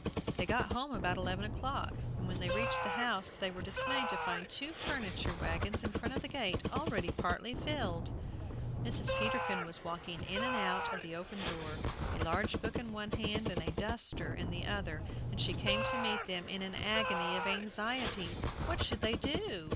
They got home about eleven o'clock, and when they reached the house were dismayed to find two furniture wagons in front of the gate, already partly filled! Mrs. Peterkin was walking in and out of the open door, a large book in one hand, and a duster in the other, and she came to meet them in an agony of anxiety. What should they do?